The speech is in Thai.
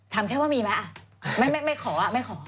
ถามแค่ว่ามีไหมไม่ขอไม่ขอ